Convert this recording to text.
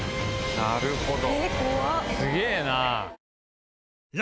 なるほど！